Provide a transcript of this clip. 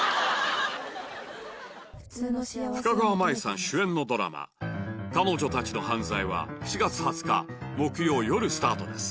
深川麻衣さん主演のドラマ『彼女たちの犯罪』は７月２０日木曜夜スタートです